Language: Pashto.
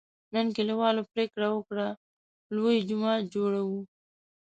نن کلیوالو پرېکړه وکړه: لوی جومات جوړوو.